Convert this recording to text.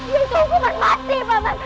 yang hukuman mati pak man